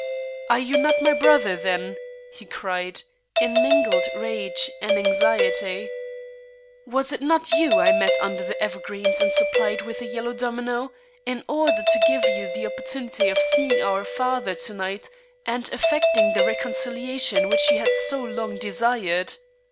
"Are you not my brother, then?" he cried, in mingled rage and anxiety. "Was it not you I met under the evergreens and supplied with a yellow domino, in order to give you the opportunity of seeing our father to night and effecting the reconciliation which you had so long desired?